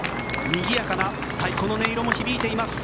にぎやかな太鼓の音色も響いています。